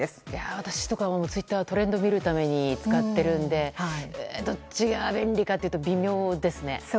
私とかツイッタートレンドを見るために使っているのでどっちが便利かというと微妙ですね。